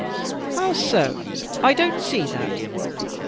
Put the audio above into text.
"How so? I don't see that."